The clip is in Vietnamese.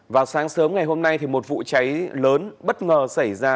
vào sáng sớm ngày hôm nay một vụ cháy lớn bất ngờ xảy ra